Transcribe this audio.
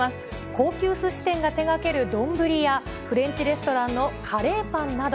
高級すし店が手がける丼や、フレンチレストランのカレーパンなど。